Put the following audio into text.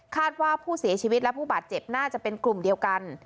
ว่าผู้เสียชีวิตและผู้บาดเจ็บน่าจะเป็นกลุ่มเดียวกัน